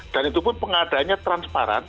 dan itu pun pengadanya transparan